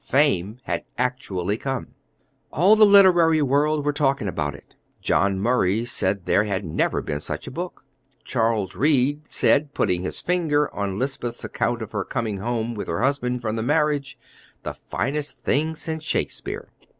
Fame had actually come. All the literary world were talking about it. John Murray said there had never been such a book. Charles Reade said, putting his finger on Lisbeth's account of her coming home with her husband from their marriage, "the finest thing since Shakespeare."